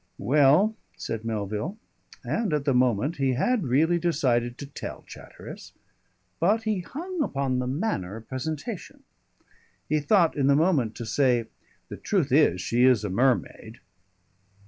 "Well," said Melville, and at the moment he had really decided to tell Chatteris. But he hung upon the manner of presentation. He thought in the moment to say, "The truth is, she is a mermaid."